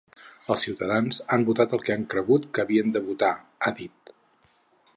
Els ciutadans han votat el que han cregut que havien de votar –ha dit–.